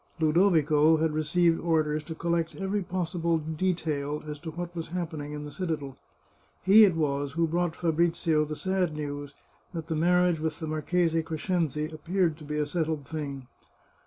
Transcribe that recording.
Ludovico had received orders to collect every possible detail as to what was happening in the citadel. He it was who brought Fabrizio the sad news that the marriage with the Marchese Crescenzi appeared to be a settled thing.